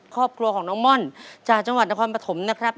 ครอบครัวของน้องม่อนจากจังหวัดนครปฐมนะครับ